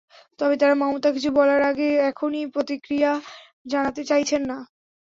তবে তাঁরা মমতা কিছু বলার আগে এখনই প্রতিক্রিয়া জানাতে চাইছেন না।